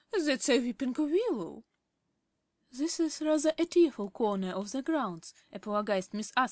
"That's a weeping willow." "This is rather a tearful corner of the grounds," apologised Miss Atherley.